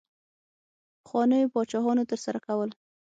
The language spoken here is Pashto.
پخوانیو پاچاهانو ترسره کول.